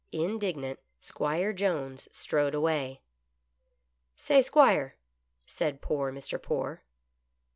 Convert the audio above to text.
Indignant 'Squire Jones strode away. " Say, 'Squire," said poor Mr. Poore.